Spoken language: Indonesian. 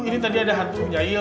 ini tadi ada hantu jahil